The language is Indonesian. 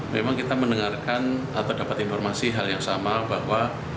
memang kita mendengarkan atau dapat informasi hal yang sama bahwa